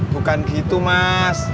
bukan gitu mas